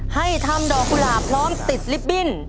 ให้ทำดอกกุหลาบพร้อมติดลิฟตบิ้น